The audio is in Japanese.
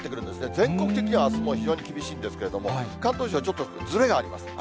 全国的にはあすも非常に厳しいんですけれども、関東地方、ちょっとずれがあります。